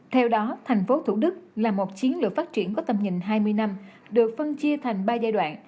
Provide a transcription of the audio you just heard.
theo đó thành phố thủ đức là một chiến lược phát triển có tầm nhìn hai mươi năm được phân chia thành ba giai đoạn